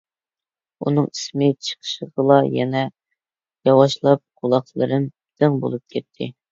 ئۇنىڭ ئىسمى چىقىشىغىلا يەنە ياۋاشلاپ، قۇلاقلىرىم دىڭ بولۇپ كەتتى.